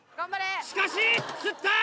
しかし釣った！